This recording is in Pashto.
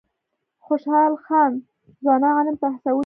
خوشحال خان ځوانان علم ته هڅولي دي.